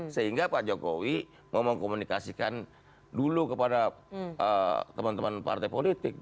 sehingga pak jokowi mau mengkomunikasikan dulu kepada teman teman partai politik